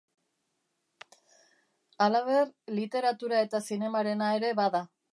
Halaber, literatura eta zinemarena ere bada.